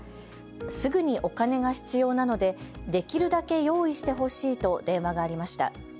すぐにお金が必要なのでできるだけ用意してほしいと電話がありました。